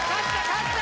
勝った！